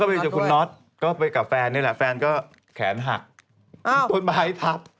ก็ไปกับคุณน๊อตก็ไปกับแฟนแฟนก็แขนหักสนตนบายทัพ